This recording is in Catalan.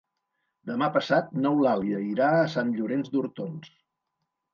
Demà passat n'Eulàlia irà a Sant Llorenç d'Hortons.